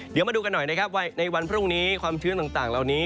เดี๋ยวมาดูกันหน่อยนะครับว่าในวันพรุ่งนี้ความชื้นต่างเหล่านี้